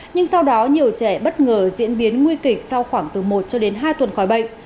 nhưng sau đó nhiều trẻ bất ngờ diễn biến nguy kịch sau khoảng từ một cho đến hai tuần khỏi bệnh